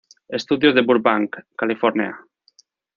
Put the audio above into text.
Studios en Burbank, California.